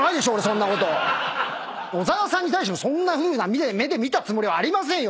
小澤さんに対してそんな目で見たつもりはありませんよ